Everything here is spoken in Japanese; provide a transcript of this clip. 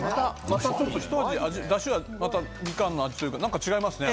またちょっとひと味ダシはまたみかんの味というか何か違いますね。